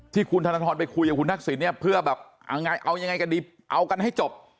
ที่คุณธนทรไปคุยกับคุณทักษิณเนี่ยเพื่อแบบเอาไงเอายังไงกันดีเอากันให้จบ